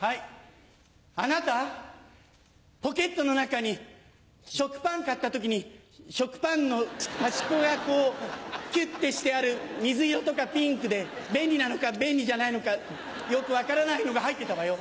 あなたポケットの中に食パン買った時に食パンの端っこがこうキュってしてある水色とかピンクで便利なのか便利じゃないのかよく分からないのが入ってたわよ。